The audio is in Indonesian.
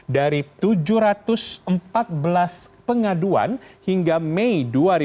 dari tujuh ratus empat belas pengaduan hingga mei dua ribu dua puluh